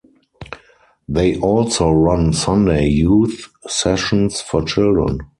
They also run Sunday youth sessions for children.